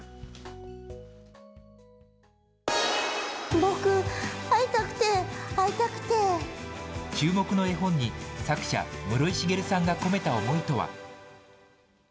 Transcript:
僕、会いたくて、注目の絵本に、作者、室井滋さんが込めた思いとは。